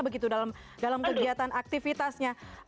begitu dalam kegiatan aktivitasnya